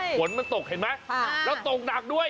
ฝนมันตกเห็นไหมแล้วตกหนักด้วย